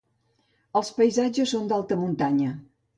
Els paisatges són d'alta muntanya.